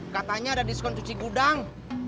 katanya ada diskon cuci gudang